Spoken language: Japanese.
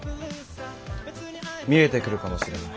見えてくるかもしれない。